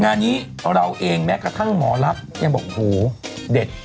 งานนี้เราเองแม้กระทั่งหมอลักษณ์ยังบอกโหเด็ด